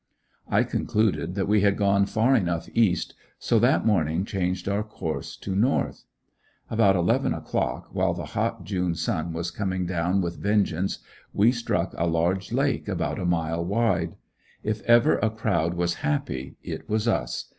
I concluded that we had gone far enough east, so, that morning changed our course to north. About eleven o'clock, while the hot June sun was coming down with vengeance, we struck a large lake about a mile wide. If ever a crowd was happy it was us.